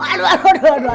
iya main sama omah